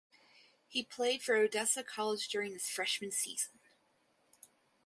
He played for Odessa College during his freshman season.